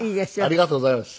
ありがとうございます。